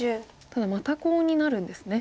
ただまたコウになるんですね。